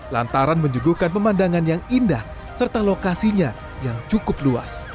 lantaran menyuguhkan pemandangan yang indah serta lokasinya yang cukup luas